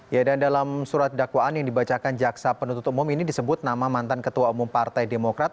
ya dan dalam surat dakwaan yang dibacakan jaksa penuntut umum ini disebut nama mantan ketua umum partai demokrat